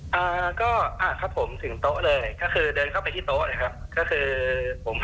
บุคคลีอ่าก็ครับผมถึงโต๊ะเลยค่ะคือเดินเข้าไปที่โต๊ะเลยครับ